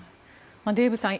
デーブさん